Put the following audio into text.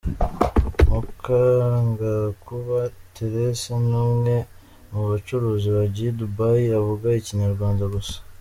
Mukagakuba Thérèse ni umwe mu bacuruzi bagiye i Dubai avuga Ikinyarwanda gusa.